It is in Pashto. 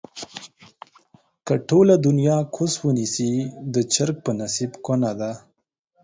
که ټوله دنياکوس ونسي ، د چرگ په نصيب کونه ده